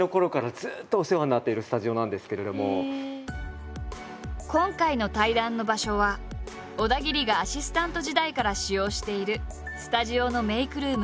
もう私が今回の対談の場所は小田切がアシスタント時代から使用しているスタジオのメイクルーム。